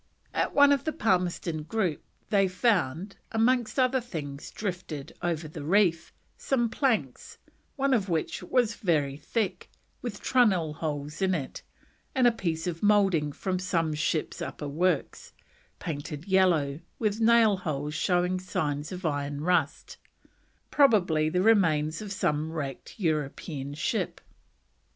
At one of the Palmerston Group they found, amongst other things drifted over the reef, some planks, one of which was very thick, with trunnell holes in it, and a piece of moulding from some ship's upper works, painted yellow, with nail holes showing signs of iron rust: probably the remains of some wrecked European ship.